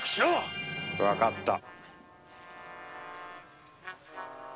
わかった。